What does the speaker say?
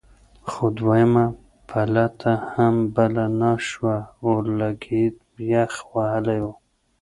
خو دویمه پلته هم بله نه شوه اورلګید یخ وهلی و.